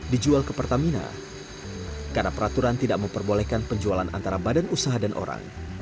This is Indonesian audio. dijual ke pertamina karena peraturan tidak memperbolehkan penjualan antara badan usaha dan orang